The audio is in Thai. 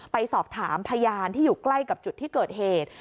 ไปสอบถามพยานที่อยู่ใกล้กับจุดที่เกิดเหตุ